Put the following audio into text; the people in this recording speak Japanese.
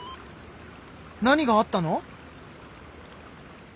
何があったの？